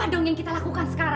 aku tak pernah ketat sama dia